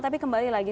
tapi kembali lagi